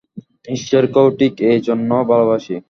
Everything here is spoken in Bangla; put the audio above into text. ঈশ্বরকেও ঠিক এই জন্য ভালবাসি।